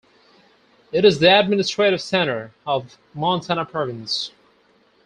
It is the administrative centre of Montana Province.